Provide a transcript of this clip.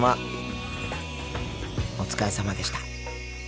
お疲れさまでした。